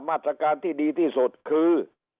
มาตรการที่ดีที่สุดคือ